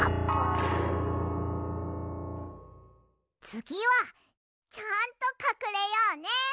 つぎはちゃんとかくれようね。